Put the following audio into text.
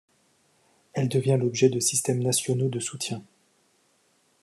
Elle devient l'objet de systèmes nationaux de soutien.